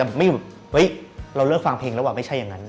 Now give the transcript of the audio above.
เราจะไม่อยู่แบบเฮ้ยเราเลิกฟังเพลงแล้วอะไม่ใช่อย่างนั้น